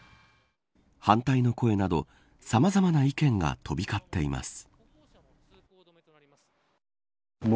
反対の声などさまざまな意見が飛び交っています。